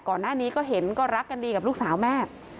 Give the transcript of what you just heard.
ก่อนหน้านี้ก็เห็นก็รักกันดีกับลูกสาวแม่